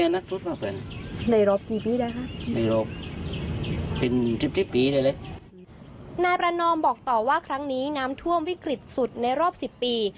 นายประนอมบอกต่อว่าครั้งนี้น้ำท่วมวิกฤตสุดในรอบ๑๐ปี